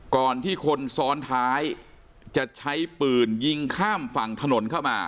ก่อนที่คนซ้อนท้ายจะใช้ปืนยิงข้ามฝั่งถนนเข้ามา